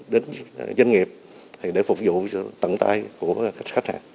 đến doanh nghiệp để phục vụ sự tận tay của khách hàng